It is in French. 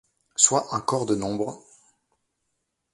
Soit un corps de nombres.